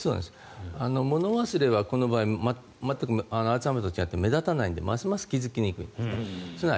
物忘れはこの場合全くアルツハイマーと違って目立たないのでますます気付きにくいです。